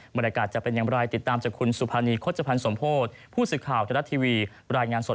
บริการจะเป็นยังไหร่ติดตามจากคุณสุภัณฑ์นีคส่งพธิผู้สื่อข่าวใหญ่วิทยาลัททีวี